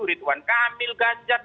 rituan kamil ganjar